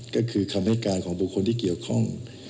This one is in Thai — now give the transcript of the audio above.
ก็คือคำให้การของบุคคลที่เกี่ยวข้อง